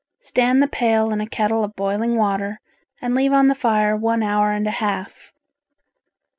Stand the pail in a kettle of boiling water and leave on the fire one hour and a half.